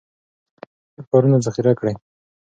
ښه کارونه ذخیره کړئ.